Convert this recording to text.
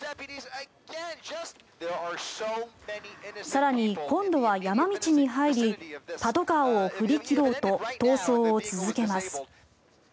更に今度は山道に入りパトカーを振り切ろうと逃走を続けます。